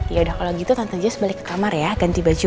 ya udah kalau gitu tante jess balik ke kamar ya ganti baju